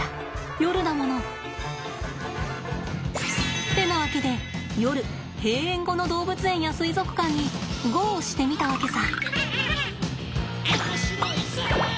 夜だもの。ってなわけで夜閉園後の動物園や水族館にゴーしてみたわけさ。